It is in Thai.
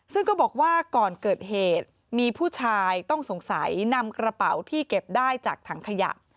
ซึ่งก็บอกว่าก่อนเกิดเหตุมีผู้ชายต้องสงสัยนำกระเป๋าที่เก็บได้จากถังขยะ